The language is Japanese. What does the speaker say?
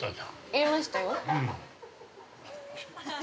◆言いましたよ。